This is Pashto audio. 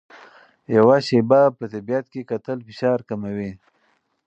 یو شېبه په طبیعت کې کتل فشار کموي.